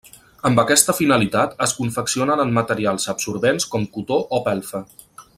Amb aquesta finalitat es confeccionen en materials absorbents com cotó o pelfa.